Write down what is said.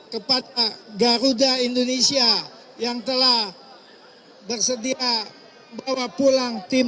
kepada garuda indonesia yang telah bersedia bawa pulang tim